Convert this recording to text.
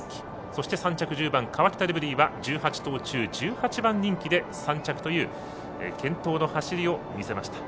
そして３着１０番カワキタレブリーは１８頭１８番人気で３着という健闘の走りを見せました。